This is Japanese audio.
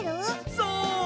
そう！